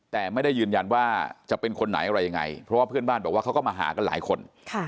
แต่ไม่ได้ยืนยันว่าจะเป็นคนไหนอะไรยังไงเพราะว่าเพื่อนบ้านบอกว่าเขาก็มาหากันหลายคน